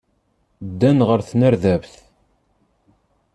Ddan ɣer tnerdabt.